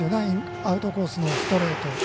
アウトコースのストレート。